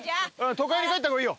都会に帰った方がいいよ。